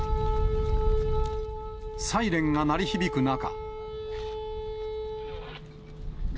サイレンが鳴り響く中。